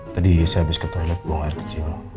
tadi si habis ke toilet bawa air kecil